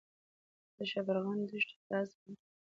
د شبرغان دښتې ګاز لري